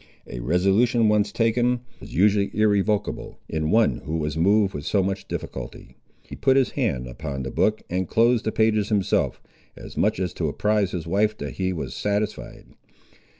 A resolution once taken was usually irrevocable, in one who was moved with so much difficulty. He put his hand upon the book, and closed the pages himself, as much as to apprise his wife that he was satisfied.